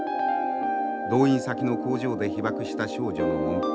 動員先の工場で被爆した少女のモンペ。